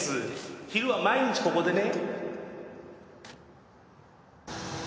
昼は毎日ここでね。